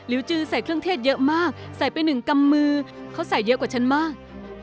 จือใส่เครื่องเทศเยอะมากใส่ไปหนึ่งกำมือเขาใส่เยอะกว่าฉันมาก